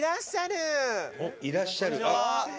いらっしゃる。